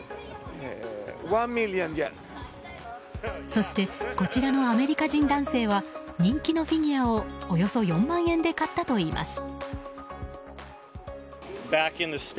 そしてこちらのアメリカ人男性は人気のフィギュアをおよそ４万円で買ったといいます。